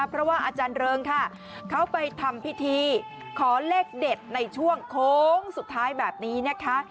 เพราะว่าอาจารย์เริงค่ะเขาไปทำพิธีขอเลขเด็ดในช่วงโค้งสุดท้ายแบบนี้นะคะ